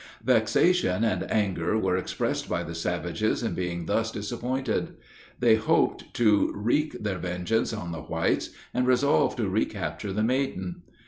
Vexation and anger were expressed by the savages in being thus disappointed. They hoped to wreak their vengeance on the whites, and resolved to recapture the maiden.